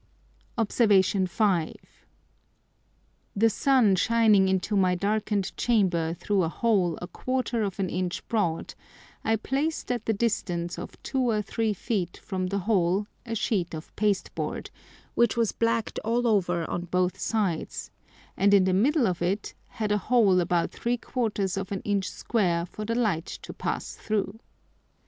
Obs. 5. The Sun shining into my darken'd Chamber through a hole a quarter of an Inch broad, I placed at the distance of two or three Feet from the Hole a Sheet of Pasteboard, which was black'd all over on both sides, and in the middle of it had a hole about three quarters of an Inch square for the Light to pass through.